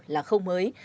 là không mới